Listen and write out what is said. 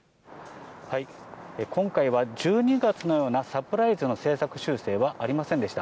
今回は、１２月のようなサプライズの政策修正はありませんでした。